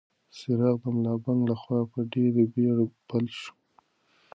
څراغ د ملا بانګ لخوا په ډېرې بېړه بل شو.